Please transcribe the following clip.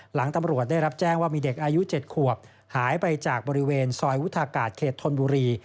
หลังตำรวจได้รับแจ้งว่ามีเด็กอายุ๗ขวบหายไปจากบริเวณซอยวุฒากาศเขตธนบุรี